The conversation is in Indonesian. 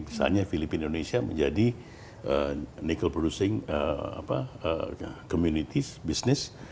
misalnya filipina indonesia menjadi nikel produsing community business